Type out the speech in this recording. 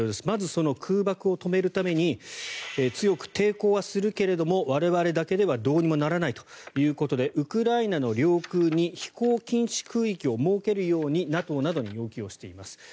まず、その空爆を止めるために強く抵抗はするけれども我々だけではどうにもならないということでウクライナの領空に飛行禁止空域を設けるようにＮＡＴＯなどに要求をしています。